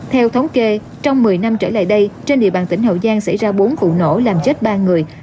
theo thống kê trong một mươi năm trở lại đây trên địa bàn tỉnh hậu giang xảy ra bốn vụ nổ làm chết ba người